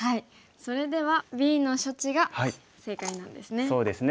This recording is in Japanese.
それではＢの処置が正解なんですね。